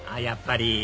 やっぱり！